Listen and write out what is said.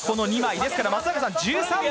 ですから松坂さん１３枚。